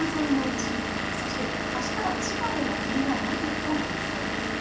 山沿いの地域、そしてあしたは千葉でも急な雷雨となりそうです。